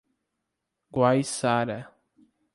Guaiçara